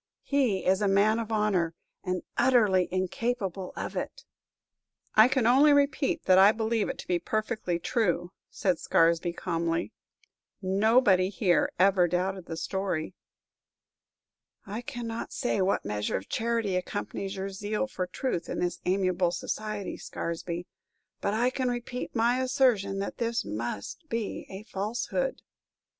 He is a man of honor, and utterly incapable of it." "I can only repeat that I believe it to be perfectly true!" said Scaresby, calmly. "Nobody here ever doubted the story." "I cannot say what measure of charity accompanies your zeal for truth in this amiable society, Scaresby, but I can repeat my assertion that this must be a falsehood."